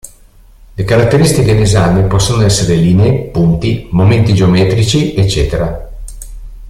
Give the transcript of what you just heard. Le caratteristiche in esame possono essere linee, punti, momenti geometrici, ecc.